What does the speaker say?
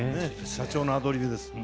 社長のアドリブです。